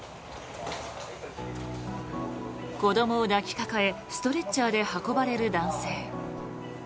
子どもを抱きかかえストレッチャーで運ばれる男性。